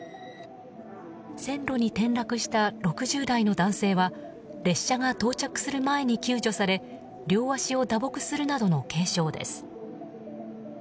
線路に転落した６０代の男性は列車が到着する前に救助され両足を打撲するなどの軽傷です。